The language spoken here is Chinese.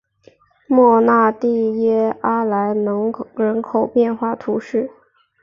莫内蒂耶阿莱蒙人口变化图示